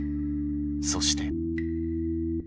そして。